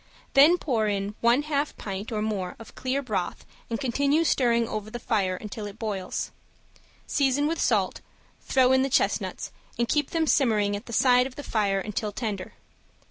Then pour in one half pint or more of clear broth and continue stirring over the fire until it boils. Season with salt, throw in the chestnuts and keep them simmering at the side of the fire until tender.